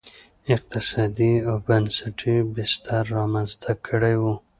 اقتصادي او بنسټي بستر رامنځته کړی و.